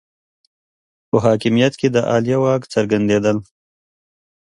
په حاکمیت کې د عالیه واک څرګندېدل